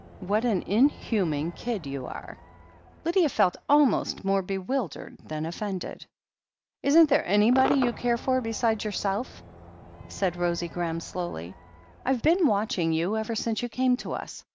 What an inhuman kid you are !" Lydia felt almost more bewildered than offended. "Isn't there anybody you care for beside yourself?" said Rosie Graham slowly. "Fve been watching you ever since you came to us.